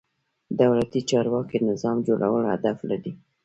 دولتي چارواکي نظام جوړول هدف لري.